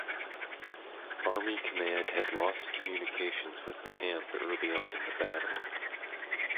Army command had lost communications with the camp early on in the battle.